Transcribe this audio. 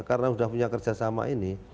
karena sudah punya kerjasama ini